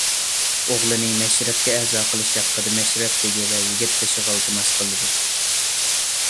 ئوغلىنى مەشرەپكە ئەزا قىلىش ھەققىدە مەشرەپ بېگى ۋە يىگىت بېشىغا ئىلتىماس قىلىدۇ.